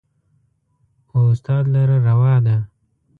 و استاد لره روا ده